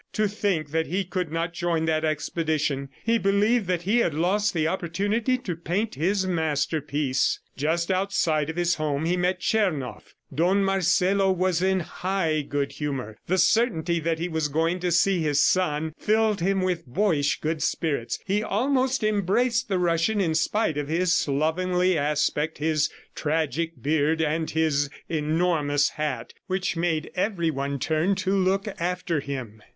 To think that he could not join that expedition! ... He believed that he had lost the opportunity to paint his masterpiece. Just outside of his home, he met Tchernoff. Don Marcelo was in high good humor. The certainty that he was soon going to see his son filled him with boyish good spirits. He almost embraced the Russian in spite of his slovenly aspect, his tragic beard and his enormous hat which made every one turn to look after him.